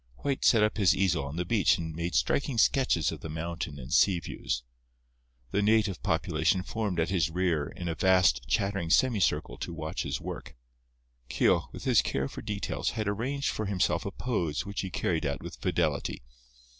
White set up his easel on the beach and made striking sketches of the mountain and sea views. The native population formed at his rear in a vast, chattering semicircle to watch his work. Keogh, with his care for details, had arranged for himself a pose which he carried out with fidelity.